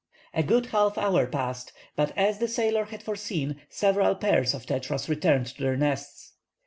A good half hour passed, but as the sailor had foreseen, several pairs of tetras returned to their nests.